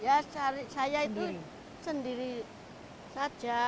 ya cari saya itu sendiri saja